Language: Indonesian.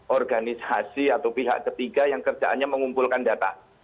organisasi atau pihak ketiga yang kerjaannya mengumpulkan data